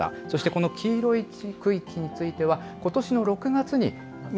そしてこの黄色い区域については、ことしの６月に。